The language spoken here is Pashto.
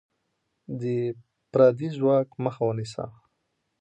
د پردی ځواک مخه ونیسه.